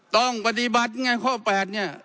ต้องปฏิบัติไงข้อ๘เนี่ย